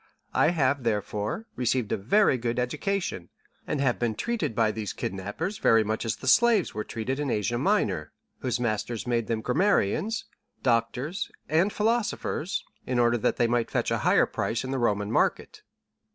I have, therefore, received a very good education, and have been treated by these kidnappers very much as the slaves were treated in Asia Minor, whose masters made them grammarians, doctors, and philosophers, in order that they might fetch a higher price in the Roman market."